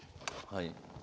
はい。